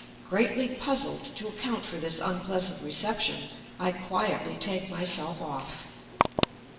Greatly puzzled to account for this unpleasant reception, I quietly take myself off.